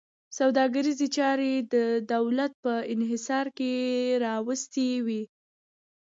سوداګریزې چارې د دولت په انحصار کې راوستې وې.